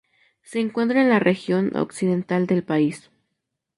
Se encuentra en la región occidental del país.